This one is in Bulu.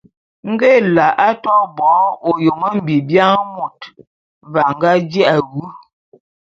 Nge Ela a to bo ôyôm mbiebian môt, ve a nga ji’a wu.